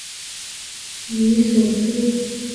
尼索斯。